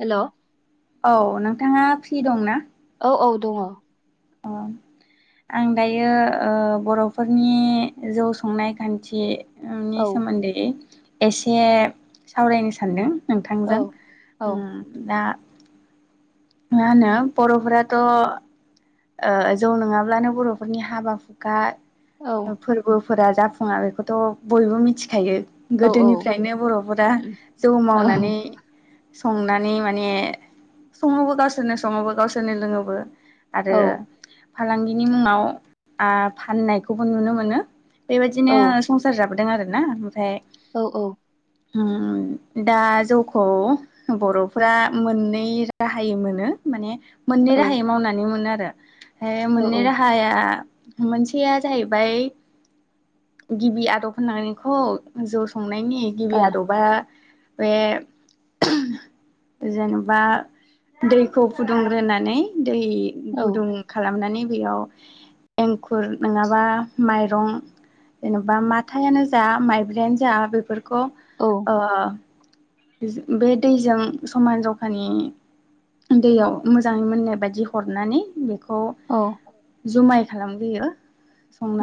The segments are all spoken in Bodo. हेल' औ औ नोंथाङा फ्रि दं ना औ औ दंङ अ आं दायो ओ बरफोरनि जौ संनाय खान्थि नि सोमोन्दै एसे सावरायनो सानदों औ नोंथांजों औ दा मा होनो बर'फोराथ ओ जौ नंङाब्लानो बर'फोरनि हाबा हुखा फोरबो फोर जाफुंङा बेखौथ' बयबो मिथिखायो औ गोदोनिफ्रायनो बरफोरा उम, जौ औ मावनानै संनानै माने संङोबो गावसोरनो संङोबो गावसोरनो लोंङोबो आरो औ फालांगिनि मुङाव आ फाननायखौबो नुनो मोनो बेबायदिनो औ संसार जाब हाबदों आर ना ओमफ्राय औ औ ओम ओम दा जौखौ बर'फ्रा मोननै राहायै मोनो माने मोननै राहायै मावना बे मोनो आरो बे औ औ मोननै राहाया मोनसेया जाहैबाय गिबि आदब होननानैखौ जौ सं संनायनि गिबि आदबा बे जेनेबा दैखौ फुदुंग्रोनानै दै गुदुं खालामनानै दैयाव एंखुर नङाबा माइरं जेन'बा माथायानो जा माइब्रानो जा बेफोरखौ उम खौ ओ बे दैजों समान जखानि दैयाव मोजाङै मोननाय बायदि हरनानै बेखौ औ जुमाय खालामगोयो।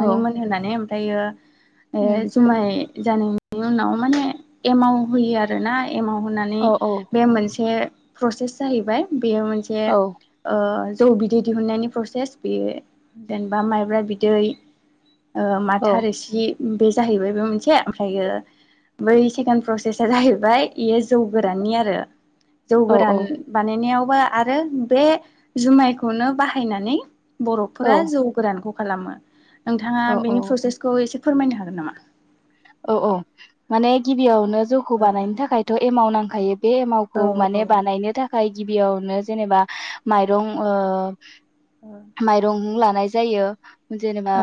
औ मोन होननानै ओमफ्र जुमाय जानाय बेनि उनाव माने एमाव होयो आरो ना एमाव औ होनानै बे मोनसे प्रसेस जाहैबाय बेयो मोनसे ओ जौ बिदै दिहुननायनि प्रसेस बेयो जेनेबा माइब्रा बिदै माथार रोसि बे जाहैबाय बे मोनसे ओमफ्रायो बै सेकेणड प्रसेसा जाहैबाय ओमफ्राय बेयो जौ गोरानि आरो जौ गोरान बानायनायाव आरो बे जुमायखौनो बाहायनानै बर'फोरा जौ गोरानखौ खालामो औ नोंथाङा औ बेनि प्रसेसखौ एसे फोरमायनो हागोन नामा? औ औ माने गिबियाव जौखौ नामा? बानायनो थाखायथ' एमाव नां [inaudible] बे औ एमावखौ माने बानायनो थाखाय गिबियावनो जेनेबा माइरं माइरं लानानै नाय जायो जेनेबा औ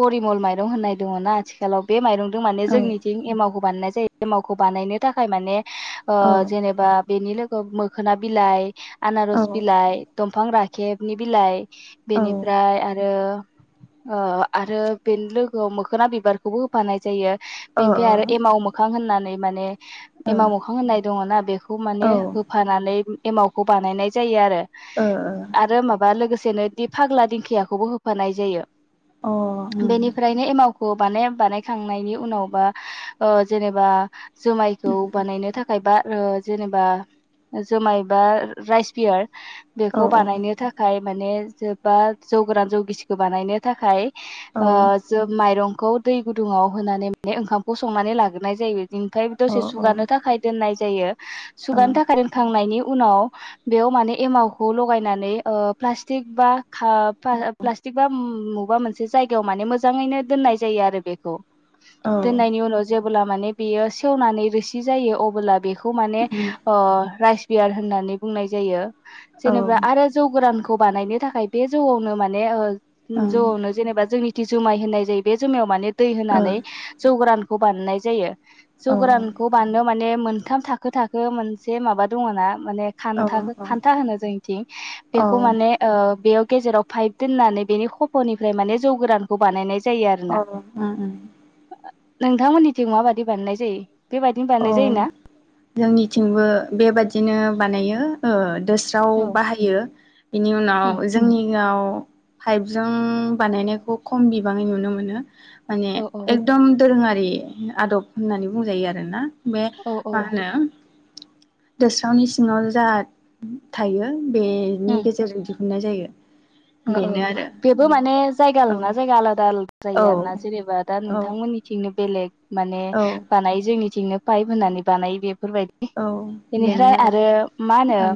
परिमल माइ माइरं होननाय दङ ना आथिखालाव बे माइरं माने औ जोंनिथिं एमावखो बानायनाय जायो एमावखौ बानायनो थाखाय माने औ जेनेबा बेनि नो मोखोना बिलाइ ओ आनारस बिलाय दम बिफां राखेबनि बिलाइ ओ औ बेनिफ्राय आरो ओ-आरो बेनि लोगोआव मोखोना बिबारखौबो होफानाय [unintelligible] बेनिफ्राय आरो ओ एमाव मोखां होनना माने एमाव मोखां होननाय दङ ना बेखौ माने होफानानै एमावखौ बानायनाय जायो आरो ओ आरो माबा लोगो सेनो दि फाग्ला दिंखियाखौबो होफानाय जायो अ उम बेनिफ्रायनो एमाव [unintelligible] थांनायनि उनावबा ओ जेनेबा जुमायखौ बानायनो थाखाय बा ओ-जेनेबा जोमाय बा राइस बियार औ बेखौ बानायनो थाखाय माने जोबबा जौ गोरान जौ गिसिखौ बानायनो थाखाय औ ओ जो माइरं [unintelligible] गुदुङाव होनानै माने ओंखामखौ संनानै लाग्रोनाय जायो ओमफाय औ दसे सुगानो थाखाय दोननाय जायो सुगानो थाखाय [inaudible] खां नायनि उनाव बेयाव माने एमावखौ लगायनानै ओ-प्लास्टिक बा-खा पा-प्लास्टिक बा म-मबा मोनसे जायगायाव माने मोजाङैनो दोननाय जायो आरो बे द दोननायनि उनाव जोब अब्ला माने बेयो सेवनानै रोसि जायो अबोला बेखौ खौ माने ओ राइस बियार होननानै बुंनाय जायो। जेनेबा आरो जौ गोरानखौ खौ बानायनो थाखाय बे जौआवनो माने ओ जनो जेनेबा जोंनि जि जुमाय होननाय जायो बे जुमायाव माने दै होनानै जौगोरान खौ बानायनाय जायो। जौ ओं गोरानखौ बानायनो माने मोन मोनथाम थाखो थाखो मोनसे माबा दङ ना माने औ उम खान्था खान्था होनो जोंनिथिं औ ओं ओ औ बेखौ औ माने बेयाव गेजेराव पाइप दोननानै बेनि खफ'निफ्राय माने जौ गोरानखौ बानायनाय जायो आरोना। ओ ओ नोंथांमोननिथिं माबादि बानायनाय जायो। बेबायदिनो अ बानायनाय जायोना जोंनिथिंबो बेबादिनो बानायो ओ दोस्राव औ बाहायो बिनि उम उनाव जोंनियाव पाइपजों बानायनायखौ खम बिबाङै नुनो मोनो। माने औ औ एकदम दोरोङारि आदब होननानै बुंजायो आरोना। बे औ औ मा होनो दोस्रावनि सिङाव जा थायो बेनि गेजेर जों दि नाय जायो। औ औ बेनो आरो बेबो माने जायगा ओमफ्राय ना जायगा आलादा आलादा जायो आरोना औ जेनेबा दा औ नोंथांमोननिथिंनो बेलेग माने औ बानाय जोंनि बिथिंनो पाइप होननानै बानायो बे बेफोरबायदि औ बेनिफ्राय आरो मा होनो? ओं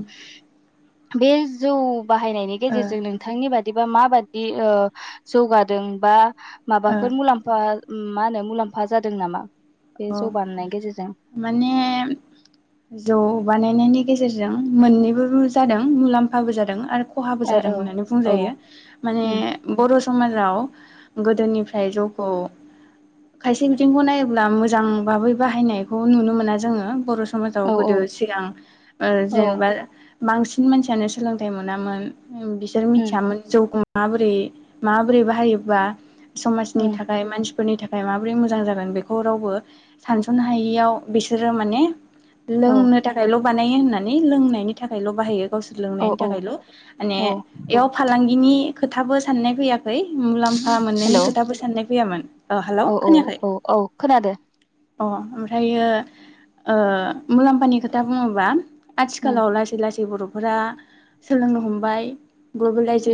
बे जौ बाहायनायनि ओ गेजेरजों नोंथां। नि बादिबा माबादि ओ जौगादों बा माबाफोर मुलाम्फा। मा होनो मुलाम्फा जादों नामा? बे अ जौ बानायनायनि गेजेरजों माने जौ बानायनायनि गेजेर जों मोननैबो जादों मुलाम्फाबो जादों आरो। खहाबो ओ जादों औ होननानै औ बुंजायो माने उम बर' समाजाव गोदोनिफ्राय जौखौ खायसे बिथिंखौ नायोब्ला मो जां बाबै बाहायनायखौ नुनो मोना जोङो बर' समाजाव औ औ गोदो सिगां ओ औ जेनेबा। मांसिन मानसियानो सोलोंथाइ मोनामोन। बिसोर उम मिथियामोन जौ माबोरै माबोरै बाहायोबा? समाजनि उम थाखाय मानसि फोरनि थाखाय माबोरै मोजां जागोन बेखौ रावबो सानस'नो हायियाव बिसोरो माने। औ लोंनो थाखायल'। बानायो होननानै लोंनायनि थाखायल' बाहायो गावसोर औ लोंनायनि औ थाखायल' माने औ बेयाव फालांगिनि। खोथाबो साननाय फैयाखै मुलाम मोननायनि हेलौ खोथाबो साननाय फैयामोन ओ हेलौ औ औ खोनायाखै औ औ खोनादों। अ ओमफ्रायो ओ मुलाम्फानि खोथा बुङोबा। उम आथिखालाव लासै लासै ज बर'फोरा सोलोंनो हमबाय।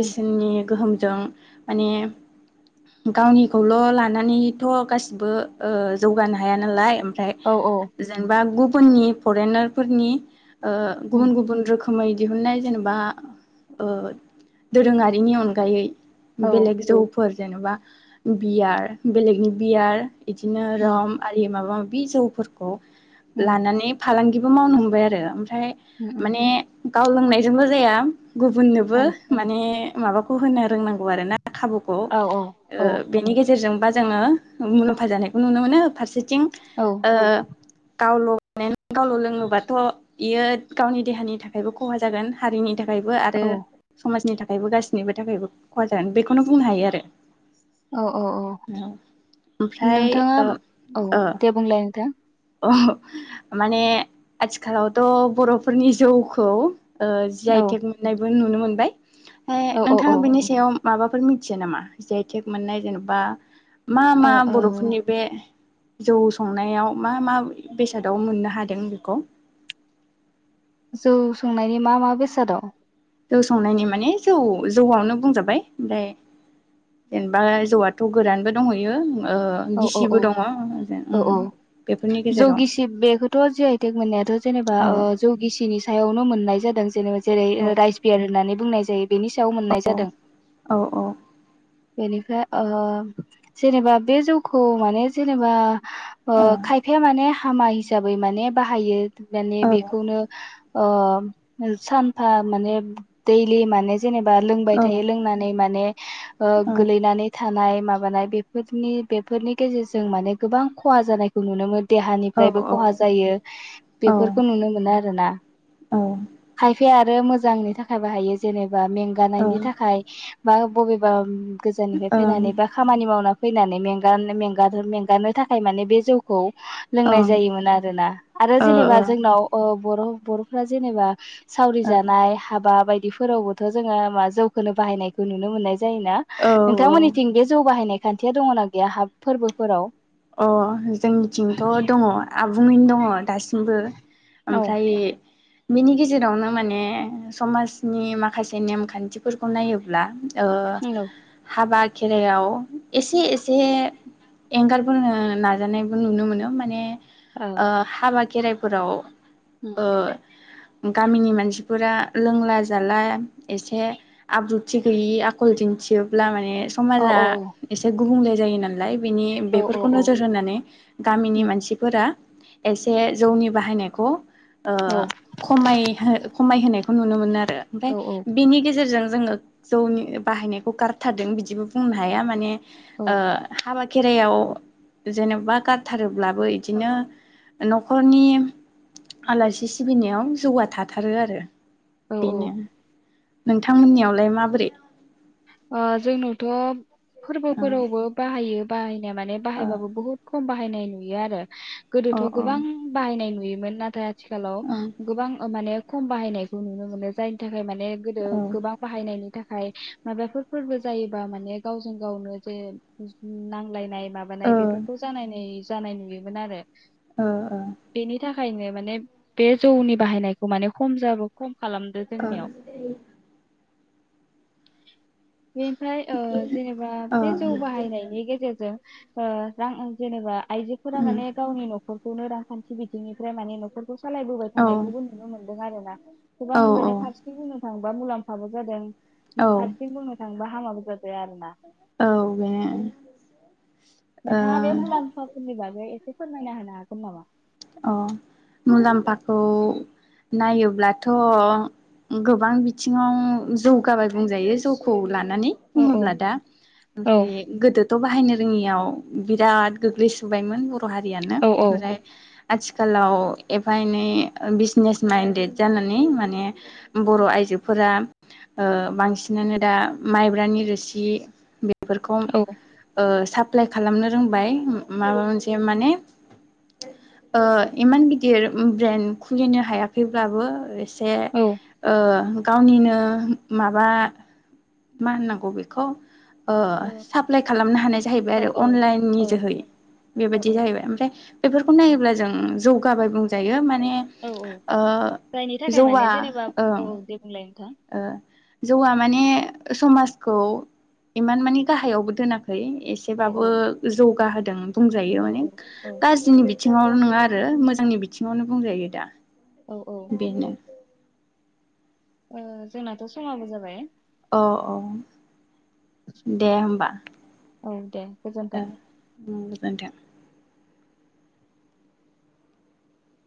उम गोहोम जों माने गावनिखौल' लानानैथ' गासिबो ओ जौगानो हाया नालाय। फ्राय औ औ जेनेबा गु फोरनि फरेनार फोरनि ओ उम गुबुन गुबुन रोखोम। रखोमै दिहुनन्नाय जेनेबा ओ दोरोङारिनि अनगायै औ बेलेग जौफोर जेन'बा बियार बेलेगनि बियार बिदिनो उम रम आरि माबा बे जौफोरखौ उम लानानै फालांगि मावनो हमबाय आरो फाय उम उम माने गाव लोंनायजोंल' जाया गुबुननोबो उम माने माबाखौ होनो रोंनां गौआरोना खाबुखौ औ ओ औ बेनि गेजेरजों बा जोङो मुलाम्फा जानाय नुनो मोनो फारसे थिं औ ओ गावल गावल' लोङोबाथ' बियो गावनि देहानि थाखायबो खहा जागोन हारिनि थाख थाखायबो आरो औ समाजनि थाख खायबो गाससिनिबो थाखायबो खहा जागोन बेखौनो बुंनो हायो आरो औ औ औ ओमफ्राय नोंथाङा ओ ओम औ दे बुंलाय नोंथां औ माने आथिखालावथ' बर'फोरनि जौखौ ओ जि औ आइ टेक मोननाय नुनो मोनबाय फाय औ औ औ नोंथाङा बेनि सायाव माबाफोर मिथिया नामा जि आइ टेक मोननाय जेन'बा मा ओ मा औ बर'फोरनि जौ संनायाव मा मा बेसादाव मोननो हादों बेखौ जौ संनायनि मा मा बेसाद दं जौ संनायनि माने जौ जौआवनो बुंजाबाय ओमफ्राय जेनेबा जौआथ' गोरानबो दंहैयो ओ औ गिसिबो दङ उम बेफ जौगिसि बेखौथ' जि आइ टेक मोननायाथ' जेनेबा औ ओ जौगिसिनि सायावनो मोननाय जादों जेनेबा जेरै औ ओ राइस बियार होननानै बुंनाय जायो बेनि सायाव मोननाय जादों औ औ बेनिफ्राय ओ जेनेबा बे जौखौ माने जेनेबा ओ औ खायफाया माने हामा हिसाबै माने बाहायो माने औ बेखौनो अ सानफा माने दैलि माने जेनेबा औ लोंबाय थायो लोंनानै माने गोलैनानै थानाय माबानाय बेफोरनि बेफोरनि गेजेरजों माने गोबां खहा जानायखौ नुनो मोनो देहानिफ्रायबो खहा जायो ओं बेफोरखौ नुनो मोनो आरोना ओं खायफाया आरो आरो मोजांनि थाखाय बाहायो जेनेबा बा ओ मेंगानायनि थाखाय मा बबेबा गोजाननिफ्राय ओ फैनानै बा खामानि मावना फैनानै में में मेंगानो थाखाय माने बे जौ औ लोंनाय जायोमोन आरोना आरो जेनेबा जोंनाव ओ बर' बर'फोरा जेनेबा सावरि जानाय हाबा बायदि बिफोरावबोथ' जोङो मा जौखोनो बाहायनायखौ नुनो मोननाय जायोना औ नोंथांमोननिथिं बे जौ बाहायनायखौ खान्थिया दङना गैया हाबा फोरबोफोराव अ जोंनिथिंथ' दङ आ नो दङ दासिम बो औ ओमफ्राय बिनि गेजेरावनो माने समाजनि माखासे नेमखान्थिफोरखौ नायोब्ला ओ नंगौ हाबा खेरायाव एसे एसे एंगार फोरो नाजानायबो नुनो मोनो माने ओ हाबानि खेराइफोराव उम अ गामिनि मानसिफोरा लोंला जाला एसे आब्रुथि गैयि आखल दिन्थियोब्ला माने औ समाजा औ औ एसे गुबुंले जायो ना लाइ। बिनि औ बे औ औ नोजोर होनानै गामिनि उम मानसिफोरा [unintelligible] एसे जौनि बाहायनायखौ ओ औ खमायहो खमायहोनायखौ नुनो मोनो आर [unintelligible] ओमफ्राय औ बिनि गेजेरजों जोङो जौनि बाहायनायखौ गारथारदों बिदिबो बुंनो हाया माने औ ओ हाबा खेराइयाव जेनेबा गारथारोब्लाबो इदिनो न'खरनि आलासि सिबिनायाव जौगा थाथारो आरो। औ बेनो। औ नोंथांमोननियावलाय माबोरै? जोंनावथ' ओ फोरबोफोरावबो बाहायो। बाइ [unintelligible] बाहायबो बहत खम बाहायनाय नुयो आरो। गोदोथ' ओ गोबां अ बाहायनाय नुयो मोन नाथाय आथिखालाव गोबां ओ माने खम बाहायनायखौ नुनो मोनो जायनि थाखाय माने गोदो गोबां बाहायनायनि थाखाय माबाफोर फोरबो जायोबा माने गावजों गावनो जे नांलायनाय माबानाय बेफोरखौ जानाय जानाय नुयोमोन आरो। औ औ। थायनो माने बे जौनि बाहायनायखौ माने खम जाबो खम खालामदो जोंनियाव। अ बेनिफ्राय ओ जेनेबा बे जौ बाहायनायनि गेजेरजों ओ रां आरजिनोबा आइजोफोरा माने गावनि न'खर खौनो रांखान्थि बिथिंनिफ्राय माने न'खर सालायबोबाय ओं औ थानायखौबो नुनो मोनदों आरोना गोबां ओ उम औ माने फारसेथिं बुंनो थाङो बा मुलाम्फाबो जादों। औ फारसेथिं बुंनो थांबा [unintelligible] औ बेनो। ओ नोंथाङा बे मुलामफाफोरनि बा गै एसे फोरमायना होनो हागोन नामा? अ मुलाम्फाखौ नायोब्लाथ' गोबां बिथिङाव जौगाबाय बुंजायो जौखौ ला नानै औ औ बुङोब्ला दा औ ओमफाय गोदो थ' बाहायनो रोङियाव बिराद गोग्लै सुबायमोन बर' र' हारियानो औ ओमफ्राय आथिखालाव एफा एनै बिजनेस माइनदेद जानानै माने बर' आइजोफोरा ओ बांसिनानो दा माइब्रानि रोसि बेफोरखौ औ ओ सा एप्लाइ खालामनो रोंबाय माबा मोनसे माने ओ इमान गिदिर ब्रेन्ड खुलिनो हायाखैब्लाबो ए से औ ओ गावनिनो माबा मा होननांगौ बेखौ ओ औ साप्लाय खालामनो हानाय जाहैबाय औ आरो अनलाइननि जोहै औ बेबायदि औ जाहैबाय। ओमफ्राय बेफोरखौ नायोब्ला जौगाबाय बुंजायो माने औ औ ओ जायनि थाखाय जौवा माने जेनेबा ओं औ दे बुंलाय। नोंथां ओ जौवा माने समाजखौ इमान मानि गाहायावबो दोना खै औ एसेबाबो औ जौगा हो दों। बुंजायो औ माने औ औ गाज्रिनि बि थिङाव नङा आरो मोजांनि बिथिङावनो बुंजायो दा। औ औ बेनो। ओ जोंनाथ' समाबो जाबाय। औ औ। दे होमबा औ दे गोजोन्थों। ओ। गोजोन्थों।